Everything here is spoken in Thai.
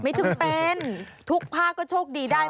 ไม่จำเป็นทุกภาคก็โชคดีได้